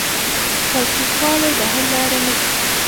تاوتریخوالی د حل لاره نه ده.